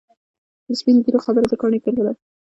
د سپین ږیرو خبره د کاڼي کرښه ده.